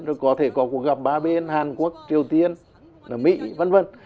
rồi có thể có cuộc gặp ba bên hàn quốc triều tiên là mỹ v v